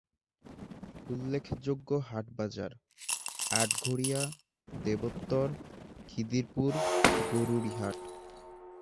উল্লেখযোগ্য হাটবাজার: আটঘরিয়া, দেবোত্তর, খিদিরপুর, গরুরী হাট।